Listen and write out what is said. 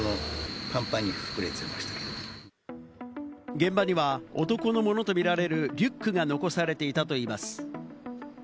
現場には男のものとみられるリュックが残されていたといいます。